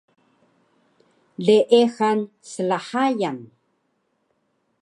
leexan slhayan